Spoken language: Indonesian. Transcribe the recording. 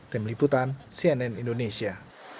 demi liputan cnn indonesia